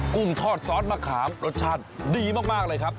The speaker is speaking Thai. กุ้งทอดซอสมะขามรสชาติดีมากเลยครับ